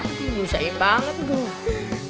ini nusahin banget tuh